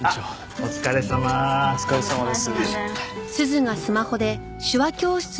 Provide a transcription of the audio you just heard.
お疲れさまです。